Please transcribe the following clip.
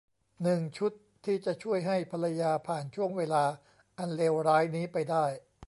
หนึ่ง ชุดที่จะช่วยให้ภรรยาผ่านช่วงเวลาอันเลวร้ายนี้ไปได้